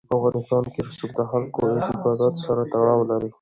په افغانستان کې رسوب د خلکو اعتقاداتو سره تړاو لري.